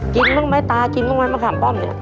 บ้างไหมตากินบ้างไหมมะขามป้อมเนี่ย